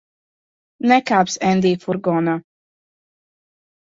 Nekāpsi Endija furgonā.